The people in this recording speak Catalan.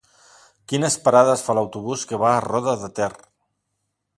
Quines parades fa l'autobús que va a Roda de Ter?